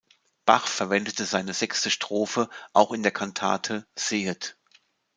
Bach verwendete seine sechste Strophe auch in der Kantate "Sehet!